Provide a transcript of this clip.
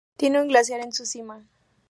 Tiene un glaciar en su cima.